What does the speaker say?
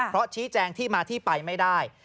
เพราะชี้แจงที่มาที่ไปไม่ได้